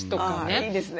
いいですね。